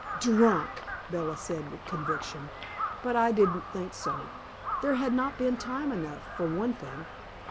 "Drunk!" Bella said with conviction. But I didn't think so. There had not been time enough, for one thing.